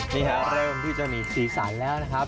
เริ่มที่จะมีสีสันแล้วนะครับ